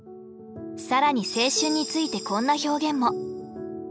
更に青春についてこんな表現も。